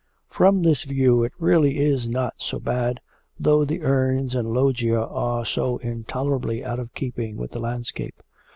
'From this view it really is not so bad, though the urns and loggia are so intolerably out of keeping with the landscape.